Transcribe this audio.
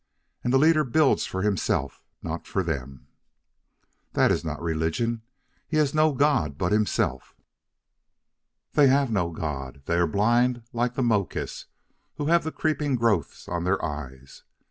And the leader builds for himself not for them." "That is not religion. He has no God but himself." "They have no God. They are blind like the Mokis who have the creeping growths on their eyes.